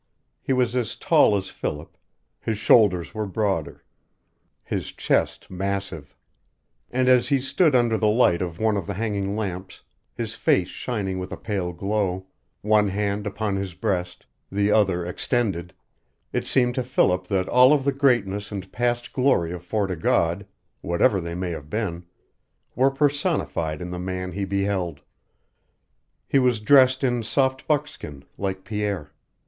He was as tall as Philip; his shoulders were broader; his chest massive; and as he stood under the light of one of the hanging lamps, his face shining with a pale glow, one hand upon his breast, the other extended, it seemed to Philip that all of the greatness and past glory of Fort o' God, whatever they may have been, were personified in the man he beheld. He was dressed in soft buckskin, like Pierre.